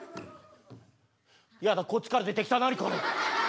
やだこっちから出てきた何これ。